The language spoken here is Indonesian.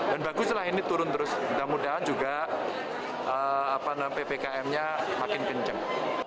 dan bagus lah ini turun terus mudah mudahan juga ppkm nya makin kencang